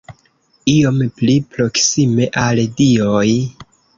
Iom pli proksime al dioj!